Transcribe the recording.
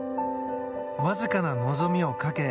わずかな望みをかけ